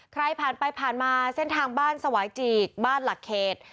ใครผ่านไปผ่านมาเส้นทางบ้านสวายจีกบ้านหลักเขต